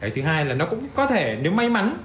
thứ hai là nó cũng có thể nếu may mắn